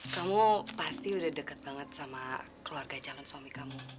kamu pasti udah deket banget sama keluarga calon suami kamu